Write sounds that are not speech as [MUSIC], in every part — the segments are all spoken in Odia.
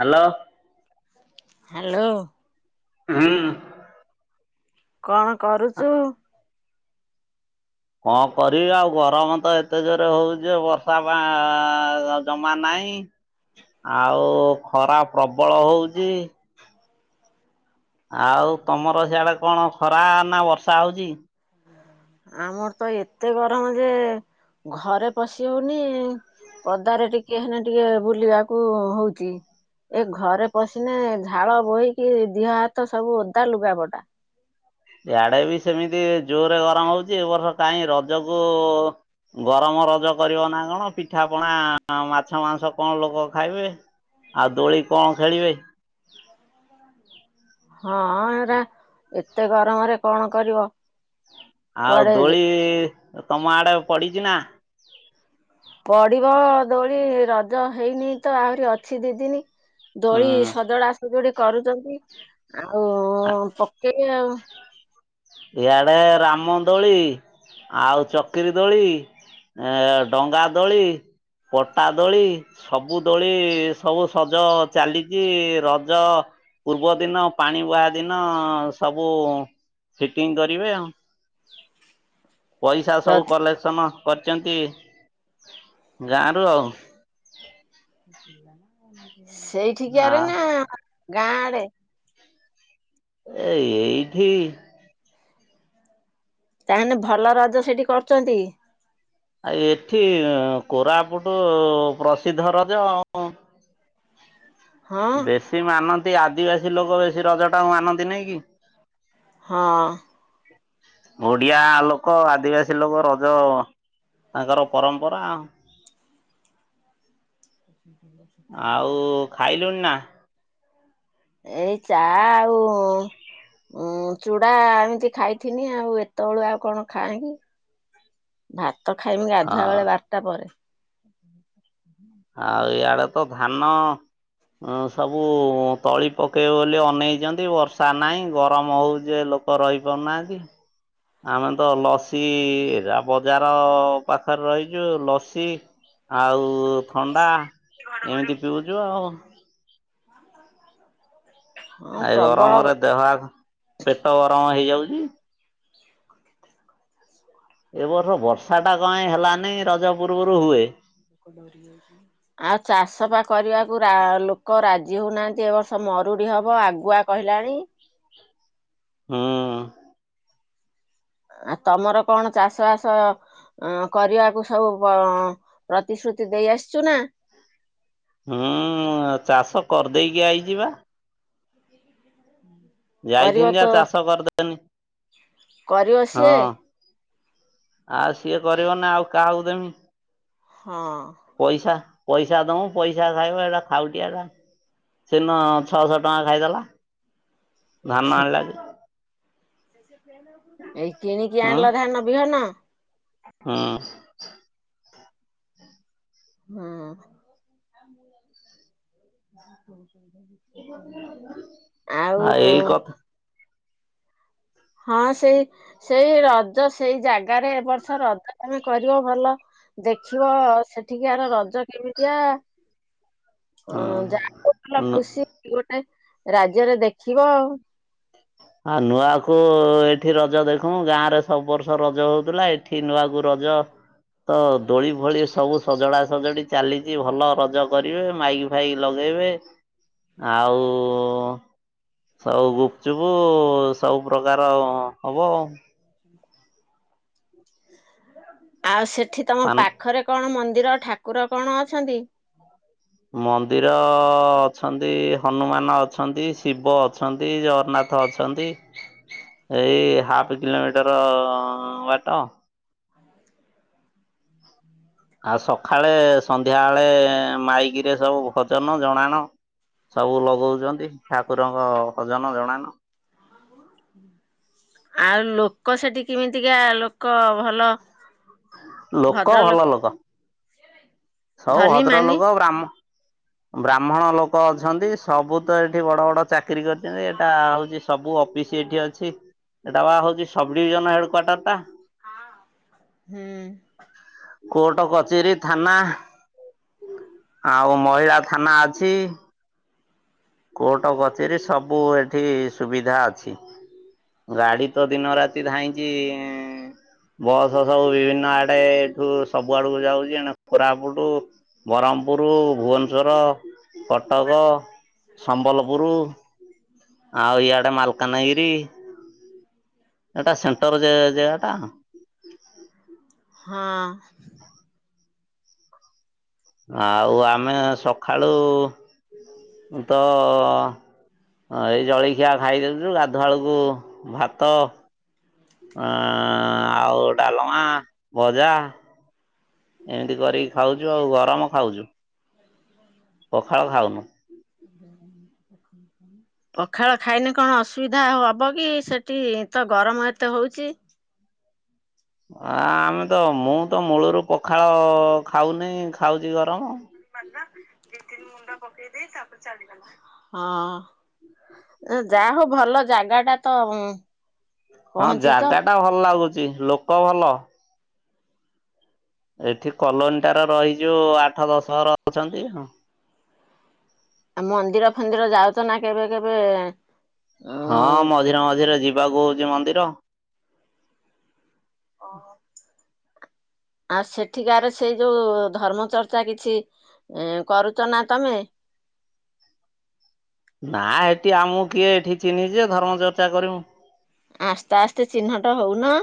ହ୍ୟାଲୋ। ହାଲୋ। ହୁଁ। କଣ କରୁଛୁ? କଣ କରିବି ଆଉ ଗରମ ତ ଏତେ ଜୋରେ ହଉଛି ବର୍ଷା ପା ଜମା ନାହିଁ। ଆଉ ଖରା ପ୍ରବଳ ହଉଛି। ଆଉ ତମର ସିଆଡେ କଣ ଖରା ନା ବର୍ଷା ହଉଛି। ଆମର ତ ଏତେ ଗରମ ଯେ ଘରେ ପଶି ହଉନି। ପଦାରେ ଟିକେ ହେନ ଟିକେ ବୁଲିବାକୁ ହଉଚି। ଏ ଘରେ ପଶିନେ ଝାଳ ବୋହିକି ଦିହ ହାତ ସବୁ ଓଦା ଲୁଗାପଟା। ଆଡେ ବି ସେମିତି ଜୋରରେ ଗରମ ହଉଛି ଏ ବର୍ଷ କାହିଁ ରଜକୁ ଗରମ ରଜ କରିବ ନା କଣ ପିଠା ପଣା ମାଛ ମାଂସ କଣ ଲୋକ ଖାଇବେ? ଆଉ ଦୋଳି କଣ ଖେଳିବେ? ହଁ ଏଟା ଏତେ ଗରମରେ କଣ କରିବ? ଆଉ କୁଆଡେ ଦୋଳି ତମ ଆଡେ ପଡିଛି ନା? ପଡିବ ଦୋଳି ରଜ ହେଇନି ତ ଆହୁରି ଅଛି ଦିଦିନି। ଦୋଳି ହୁଁ। ସଜଡ଼ା ସଜୁଡି କରୁଛନ୍ତି ଆଉ ପକେଇବେ ଆଉ ଇଆଡ଼େ ରାମଦୋଳି ଆଉ ଚକିରି ଦୋଳି। ଏ ଡଙ୍ଗା ଦୋଳି ପଟା ଦୋଳି। ସବୁ ଦୋଳି ସବୁ ସଜ ଚାଲିଛି ରଜ ପୂର୍ବଦିନ ପାଣି ବୁହା ଦିନ ସବୁ ଫିଟିଙ୍ଗ କରିବେ ଆଉ ପଇସା ସବୁ କଲେକ୍ସନ କରିଛନ୍ତି ଗାଁରୁ ଆଉ ଆ ସେଇଠିକିଆରେ ନା ଗାଁ ଆଡେ? ଏ ଏଇଠି। ତାହେଲେ ଭଲ ରଜ ସେଠି କରୁଛନ୍ତି? ଆ ଏଠି କୋରାପୁଟ ପ୍ରସିଦ୍ଧ ରଜ। ହଁ ବେଶୀ ମାନନ୍ତି ଆଦିବାସୀ ଲୋକ ବେଶୀ ରଜଟାକୁ ମାନନ୍ତି ନାଇଁ କି? ହଁ। ଓଡିଆ ଲୋକ ଆଦିବାସୀ ଲୋକ ରଜ ତାଙ୍କର ପରମ୍ପରା। ଆଉ ଖାଇଲୁଣି ନା? ଏଇ ଚା ଆଉ ଉଁ ଚୂଡା ଏମିତି ଖାଇଥିନି ଆଉ ଏତେବେଳୁ ଆଉ କଣ ଖାଏ? ଭାତ ଖାଇମି ଗାଧୁଆ ହଁ ବେଳେ ବାରଟା ପରେ। ଆଉ ଇଆଡେ ତ ଧାନ ଅଁ ସବୁ ତଳି ପକେଇବେ ବୋଲି ଅନେଇଚନ୍ତି ବର୍ଷା ନାହିଁ ଗରମ ହଉଚି ଯେ ଲୋ କ ରହି ପାରୁ ନାହାନ୍ତି। ଆମେ ତ ଲସି ବଜାର ପାଖରେ ରହିଚୁ ଲସି ଆଉ ଥଣ୍ଡା ଏମିତି ପିଉଛୁ ଆଉ। ହଁ ଆ ଏ ପ୍ରବଳ ଗରମରେ ଦେହ ହା ପେଟ ଗରମ ହେଇଯାଉଚି। ଏ ବର୍ଷ ବର୍ଷା ଟା କଁ ପାଇଁ ହେଲାନେଇଁ ରଜ ପୂର୍ବରୁ ହୁଏ। [UNINTELLIGIBLE] ଆଉ ଚାଷ ପା କରିବାକୁ ରା ଲୋକ ରାଜି ହଉନାହାନ୍ତି ଏ ବର୍ଷ ମରୁଡି ହବ ଆଗୁଆ କହିଲାଣି। ହୁଁ। ଆ ତମର କଣ ଚାଷ ବାସ ଅ କରିବାକୁ ସବୁ ପ ପ୍ରତିଶ୍ରୁତି ଦେଇ ଆସିଛୁ ନା। ହୁଁ ଚାଷ କରିଦେଇକି ଆଇଚିପା। କରିବ ଯାଇଥିନି ତ ଯା ଚାଷ କରିଦେନି କରିବ ହଁ। ସିଏ ଆଉ ସିଏ କରିବ ନା ଆଉ କାହାକୁ ଦେମି। ହଁ। ପଇସା ପଇସା ଦୋମୁ ପଇସା ଖାଇବ ଏଇଟା ଖାଉଟିଆଟା। ସେଦିନ ଛଅଶହ ଟଙ୍କା ଖାଇଦେଲା ଧାନ ଆଣିଲାଯେ। ଏଇ କିଣିକି ହୁଁ ଆଣିଲ ଧାନ ବିହନ। ହୁଁ। ହୁଁ। ଆଉ ମୁଁ ଏଇ କଥା ହଁ ସେଇ ସେଇ ରଜ ସେଇ ଜାଗାରେ ଏବ ବର୍ଷ ରଜ ତମେ କରିବ ଭଲ। ଦେଖିବ ସେଠିକିଆର ରଜ କେମିତିଆ। ହଁ ଯା [UNINTELLIGIBLE] ନୁ ଖୁସି ଗୋଟେ ରାଜ୍ୟରେ ଦେଖିବ ଆଉ। ଆ ନୂଆକୁ ଏଠି ରଜ ଦେଖୁ ଗାଁ ରେ ସବୁ ବର୍ଷ ରଜ ହଉଥିଲା ଏଠି ନୂଆ କୁ ରଜ ତ ଦୋଳି ଫୋଳି ସବୁ ସଜଡା ସଜଡି ଚାଲିଚି ଭଲ ରଜ କରିବେ। ମାଇକି ଫାଇକି ଲଗେଇବେ ଆଉ ଆଉ ଗୁପଚୁପ ସବୁ ପ୍ରକାର ହବ। ଆଉ ସେଠି ତମ ପାନ ପାଖରେ କଣ ମନ୍ଦିର ଠାକୁର କଣ ଅଛନ୍ତି। ମନ୍ଦିର ଅଛନ୍ତି ହନୁମାନ ଅଛନ୍ତି ଶିବ ଅଛନ୍ତି ଜଗନ୍ନା ଥ ଅଛନ୍ତି ଏଇ ହାଫ୍ କିଲୋମିଟର ବାଟ। ଆଉ ସଖାଳେ ସନ୍ଧ୍ୟାବେଳେ ମାଇକିରେ ସବୁ ଭଜନ ଜଣାଣ ସବୁ ଲଗଉଚନ୍ତି ଠାକୁରଙ୍କ ଭଜନ ଜଣାଣ। ଆଉ ଲୋକ ସେଠି କିମିତିକା ଲୋକ ଭଲ। ଲୋକ ଭଦ୍ରଲୋକ ଭଲ ଲୋକ। ସବୁ ଧନୀ ଭଦ୍ର ମାନି ଲୋକ ବ୍ରାହ୍ମ ବ୍ରାହ୍ମଣ ଲୋକ ଅଛନ୍ତି ସବୁ ତ ଏଠି ବଡ ବଡ ଚାକିରୀ କରିଛନ୍ତି। ଏଟା ହଉଚି ସବୁ ଅଫିସ ଏଠି ଅଛି ଏଟା ପା ହଉଚି ସବଡିଭିଜନ ହେଡ କ୍ୱାଟର ଟା। ହଁ ହୁଁ। କୋର୍ଟ କଚେରୀ ଥାନା। ଆଉ ମହିଳା ଥାନା ଅଛି। କୋର୍ଟ କଚେରୀ ସବୁ ଏଠି ସୁବିଧା ଅଛି। ଗାଡି ତ ଦିନ ରାତି ଧାଇଁଚି ବସ ସବୁ ବିଭିନ୍ନ ଆଡେ ଏଠୁ ସବୁ ଆଡକୁ ଯାଉଚି। ଏଇନୁ କୋରା ପୁଟୁ, ବ୍ରହ୍ମପୁର, ଭୁବନେଶ୍ୱର, କଟକ ସମ୍ବଲପୁର ଆଉ ଇଆଡେ ମାଲକାନଗିରି। ଏଟା ସେଣ୍ଟର ଜେ ଜେଗା ଟା। ହଁ। ଆଉ ଆମେ ସଖାଳୁ ତ ହଁ ଏଇ ଜଳଖିଆ ଖାଇଦେଉଚୁ ଗାଧୁଆଳକୁ ଭାତ ଆଁ ଆଉ ଡାଲମା ଭଜା ଏମିତି କରିକି ଖାଉଚୁ ଆଉ ଗରମ ଖାଉଚୁ। ପଖାଳ ଖାଉନୁ। [INAUDIBLE] ପଖାଳ ଖାଇନେ କଣ ଅସୁବିଧା ହବ କି, ସେଠି ତ ଗରମ ଏତେ ହଉଚି। ଆ ଆମେ ତ ମୁଁ ତ ମୂଳରୁ ପଖାଳ ଖାଉନି ଖାଉଚି ଗରମ। [UNINTELLIGIBLE] ଦି ତିନି ମୁଣ୍ଡ ପକେଇ ଦେଇ ତାପରେ ଚାଲିବୁ। ହଁ। ଯାହା ହଉ ଭଲ ଜାଗା ଟା ତ ହଁ ପହଞ୍ଚିଛ ଜାଗା ଟା ଭଲ ଲାଗୁଚି ଲୋକ ଭଲ। ଏଠି କଲୋନୀ ଟାରେ ରହିଚୁ ଆଠ ଦଶ ଘର ଅଛନ୍ତି। ଆ ମନ୍ଦିର ଫନ୍ଦିର ଯାଉଚ ନା କେବେ କେବେ ହଁ ମଝିରେ ମଝିରେ ଯିବାକୁ ହଉଚି ମନ୍ଦିର। ଅ ହ। ଆଉ ସେଠିକାରେ ସେଇ ଯୋଉ ଧର୍ମ ଚର୍ଚ୍ଚା କିଛି କରୁଚ ନା ତମେ? ନା ଏଠି ଆମକୁ କିଏ ଏଠି ଚିହ୍ନିଚି ଯେ ଧର୍ମଚର୍ଚ୍ଚା କରିବୁ। ଆସ୍ତେ ଆସ୍ତେ ଚିହ୍ନଟ ହଉନ।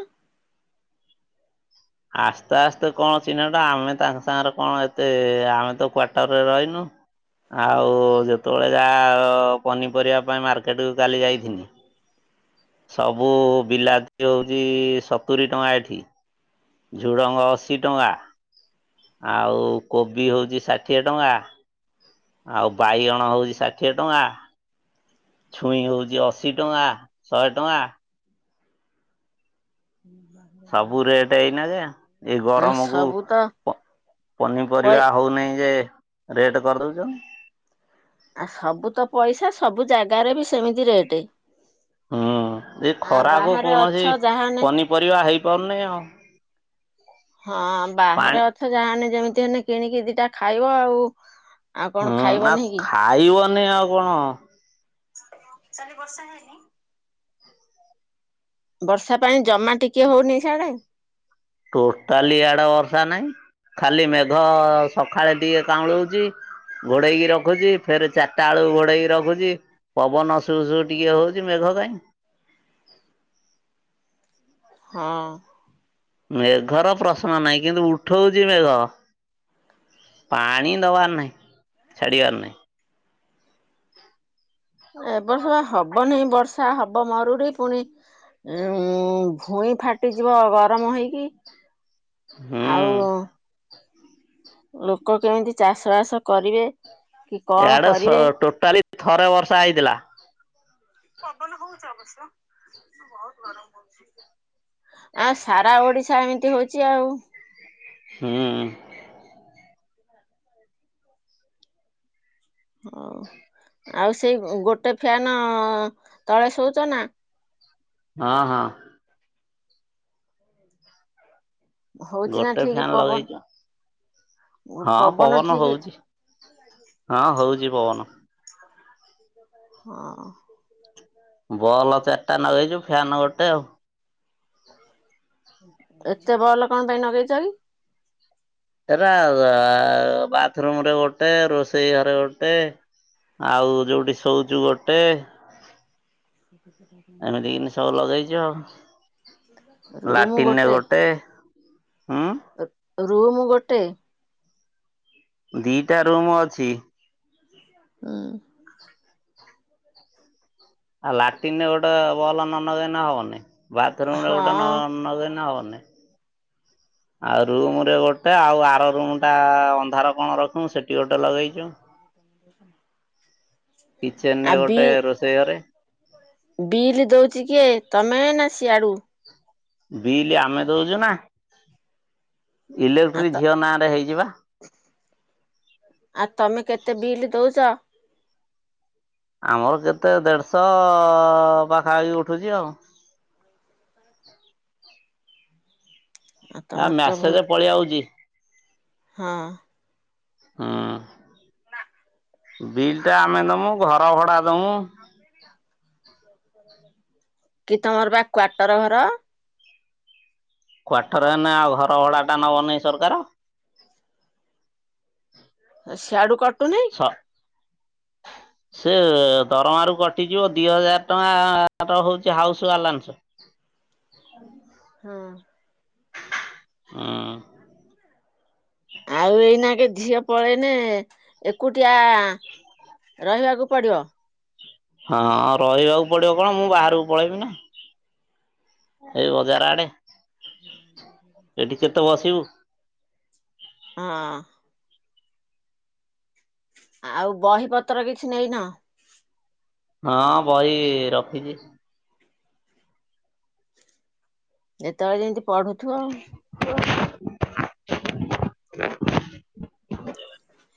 ଆସ୍ତେ ଆସ୍ତେ କଣ ଚିହ୍ନଟା ଆମେ ତାଙ୍କ ସାଙ୍ଗରେ କଣ ଏତେ ଆମେ ତ କ୍ଵାର୍ଟରରେ ରହିଲୁ। ଆଉ ଯେତେବେଳେ ଯାହା ପନିପରିବା ପାଇଁ ମାର୍କେଟକୁ କାଲି ଯାଇଥିନି। ସବୁ ବିଲାତି ହଉଚି ସତୁରି ଟଙ୍କା ଏଠି। ଝୁଡ଼ଙ୍ଗ ଅଶୀ ଟଙ୍କା। ଆଉ କୋବି ହଉଚି ଷାଠିଏ ଟଙ୍କା। ଆଉ ବାଇଗଣ ହଉଚି ଷାଠିଏ ଟଙ୍କା। ଛୁଇଁ ହଉଚି ଅଶୀ ଟଙ୍କା, ଶହେ ଟଙ୍କା। [UNINTELLIGIBLE] ସବୁ ରେଟ୍ ଏଇନା ଯେ। ଏଇ ଆଉ ଗରମକୁ ସବୁ ତ ପ ପଇ ପନିପରିବା ହଉନେଇ ଯେ ରେଟ୍ କରିଦଉଛନ୍ତି। ଆ ସବୁ ତ ପଇସା, ସବୁ ଜାଗାରେ ବି ସେମିତି ରେଟ୍। ହୁଁ ଆ ବାହାରେ ଅଛ ଯାହାନେ ପରିବା ହେଇପାରୁନି ଆଉ। ହଁ ପାଣି ବାହାରେ ଅଛ ଯାହାନେ ଯେମିତି ହେନେ କିଣିକି ଦିଟା ଖାଇବ ଆଉ। ଆଉ କଣ ହଁ ଆଉ ଖାଇବନି କି ଖାଇବନି ଆଉ କଣ କାଲି ବର୍ଷା ହେଇନି? ବର୍ଷା ପାଇଁ ଜମା ଟିକେ ହଉନି ସେଆଡେ। ଟୋଟାଲି ଇଆଡ଼େ ବର୍ଷା ନାହିଁ। ଖାଲି ମେଘ ସକାଳେ ଟିକେ କାଉଁଳେଉଚି ଘୋଡେଇକି ରଖୁଚି ଫେରେ ଚାରିଟାଳୁକୁ ଘୋଡେଇକି ରଖୁଚି। ପବନ ସୁ ସୁ ଟିକିଏ ହଉଚି ମେଘ କାଇଁ। ହଁ। ମେଘର ପ୍ରଶ୍ନ ନାହିଁ କିନ୍ତୁ ଉଠୋଉଚି ମେଘ। ପାଣି ଦବାର ନାହିଁ ଛାଡିବାର ନାଇଁ। ଏ ବର୍ଷ ବା ହବନି ବର୍ଷା ହବ ମରୁଡି ଫୁଣି ଉଁ ଭୂଇଁ ଫାଟିଯିବ ଗରମ ହେଇକି ଆଉ ହୁଁ ଲୋକ କେମିତି ଚାଷ ବାସ କରିବେ। କି କଣ ଇଆଡେ ସ କରିବେ ଟୋଟାଲି ଥରେ ବର୍ଷା ହେଇଥେଲା। ପବନ ହଉଚି ଅବଶ୍ୟ ଅଁ ବହୁତୁ ଆଁ ସାରା ଓଡିଶା ଏମିତି ହଉଚି ଆଉ। ହୁଁ। ହଉ ଆଉ ସେଇ ଉଁ ଗୋଟେ ଫ୍ୟାନ ତଳେ ଶୋଉଚ ନା। ହଁ ହଁ। ହଉଛି ନା ଗୋଟେ ଠିକ ଫ୍ୟାନ୍ ପବନ ଲଗେଇଚି ଅ ହଁ ପବନ ହଉଚି। ହଁ ହଉଚି ପବନ। ହଁ। ଭଲ ଚାରଟା ନଗେଇଚୁ ଫ୍ୟାନ ଗୋଟେ ଆଉ। ଏତେ ବଲ କଁ ପାଇଁ ନଗେଇଚ କି? ଏରା ଆ ବାଥରୁମରେ ଗୋଟେ ରୋଷେଇ ଘରେ ଗୋଟେ। ଆଉ ଯୋଉଠି ଶୋଉଚୁ ଗୋଟେ। ଏମିତି କିନି [INAUDIBLE] ସବୁ ଲଗେଇଛି ଆଉ ଲାଟିନରେ ଗୋଟେ ହୁଁ। ରୁମୁ ଗୋଟେ। ଦିଟା ରୁମୁ ଅଛି। ହୁଁ। ଆଉ ଲାଟିନରେ ଗୋଟେ ବଲ ନ ନଗେଇନେ ହବନି। ବାଥରୁମରେ ହଁ ଗୋଟେ ନ ନଗେଇନେ ହବନି। ଆଉ ରୁମୁରେ ଗୋଟେ ଆଉ ଆର ରୁମୁଟା ଅନ୍ଧାର କଣ ରଖିମୁ ସେ [INAUDIBLE] କିଚେନରେ ଗୋଟେ ରୋଷେଇ ଘରେ। ବିଲି ଦଉଛି କିଏ ତମେ ନା ସିଆଡୁ। ବିଲି ଆମେ ଦଉଚୁ ନା ଆ ଇଲେକ୍ଟ୍ରି ତ ଝିଅ ନାଁରେ ହେଇଚି ବା। ଆଉ ତମେ କେତେ ବିଲି ଦଉଚ? ଆମର କେତେ ଦେଢଶ ପାଖା ପାଖି ଉଠୁଚି ଆଉ। ଆଉ ଆ ତମର ତ ବହୁତ ମ୍ୟାସେଜେ ପଳି ଆଉଚି। ହଁ। ହୁଁ ବିଲଟା ଆମେ ଦମୁ ଘର ଭଡା ଦମୁ। କି ତମର ବା କ୍ଵାଟର ଘର। କ୍ଵାଟର ହେନେ ଆଉ ଘର ଭଡାଟା ନବ ନାହିଁ ସରକାର। ହେ ସିଆଡୁ କ ସ ହ ସେ ଦରମାରୁ କଟିଯିବ ଦି ହଜାର ଟଙ୍କା [UNINTELLIGIBLE] ହଉଚି ହାଉସ୍ ବାଲାନ୍ସ। ହଁ। ହୁଁ ନା ଆଉ ଏଇନା କେ ଝିଅ ପଳେଇନେ ଏକୁଟିଆ ରହିବାକୁ ପଡ଼ିବ। ହଁ ରହିବାକୁ ପଡିବ କଣ ମୁଁ ବାହାରକୁ ପଳେଇବି ନା। ଏଇ ବଜାର ଆଡେ। ଏଠି କେତେ ବସିବୁ। ହଁ। ଆଉ ବହି ପତ୍ର କିଛି ନେଇନ? ହଁ ବହି ରଖିଛି। ଯେତେବେଳେ ଯେମିତି ପଢୁଥିବ ଆଉ। ହ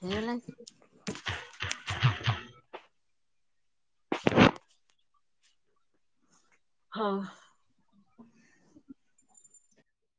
ହେଇଗଲାକି? ହଁ।